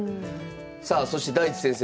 さあそして大地先生